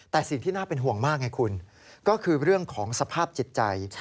แต่สิ่งที่น่าเป็นห่วงมากไงคุณก็คือเรื่องของสภาพจิตใจ